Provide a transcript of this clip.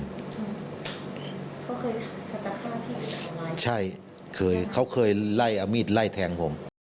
เขาเคยจะฆ่าพี่ใช่เคยเขาเคยไล่เอามีดไล่แทงผม